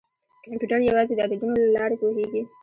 کمپیوټر یوازې د عددونو له لارې پوهېږي.